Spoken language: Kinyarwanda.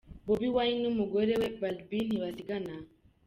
Bobi wine n'umugore we Barbie ntibasigana.